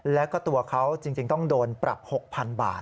แล้วก็ตัวเขาจริงต้องโดนปรับ๖๐๐๐บาท